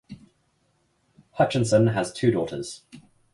Hutchison has two daughters.